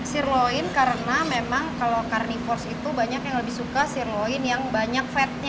sirloin karena memang kalau carnivores itu banyak yang lebih suka sirloin yang banyak fatnya